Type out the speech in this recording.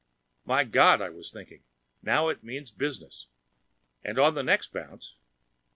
My God, I was thinking, _now it means business. And on the next bounce....